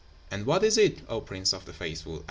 'And what is it, O Prince of the Faithful?'